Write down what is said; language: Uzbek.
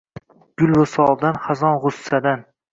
Gul visoldan, xazon gʼussadan